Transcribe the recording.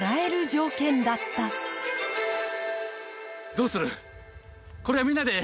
どうする？